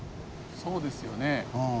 そうですよね。